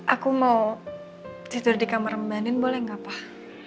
aku mau tidur di kamar mbendin boleh nggak pak